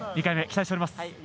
２回目、期待しております